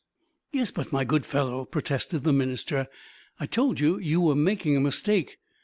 "Yes, but my good fellow," protested the minister, "I told you you were making a mistake.